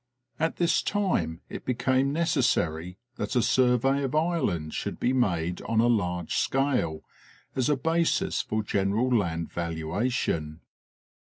At this time it became necessary that a survey of Ireland should be made on a large scale as a basis for general land valua tion.